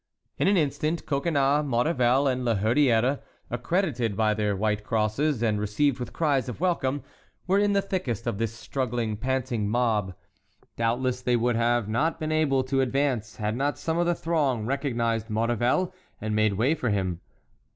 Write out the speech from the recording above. In an instant Coconnas, Maurevel, and La Hurière, accredited by their white crosses, and received with cries of welcome, were in the thickest of this struggling, panting mob. Doubtless they would not have been able to advance had not some of the throng recognized Maurevel and made way for him.